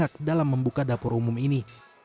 dan pihak dalam membuka dapur umum ini